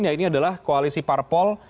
ya ini adalah koalisi parpol